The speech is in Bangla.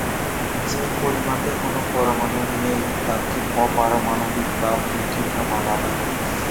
যে পরিমাপে কোন পরমাণু নেই তাকে অ-পারমাণবিক বা বিকীর্ণ বলা হয়।